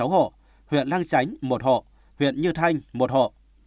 một mươi sáu hộ huyện lang chánh một hộ huyện như thanh một hộ